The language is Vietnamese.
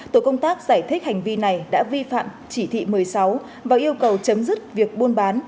tổ công tác giải thích hành vi này đã vi phạm chỉ thị một mươi sáu và yêu cầu chấm dứt việc buôn bán